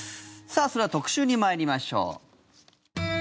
さあ、それでは特集に参りましょう。